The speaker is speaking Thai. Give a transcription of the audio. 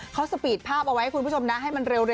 เขาสปีดภาพเอาไว้ให้คุณผู้ชมนะให้มันเร็วด้วย